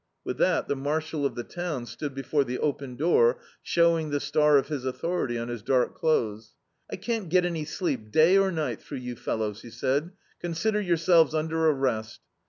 With that the marshal of the town stood before the open door, showing the star of his authority on his dark clothes. "I can't get any sleep day or night, through you fellows," he said; "consider yourselves under arrest."